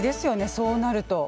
そうなると。